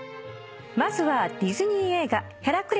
まずは。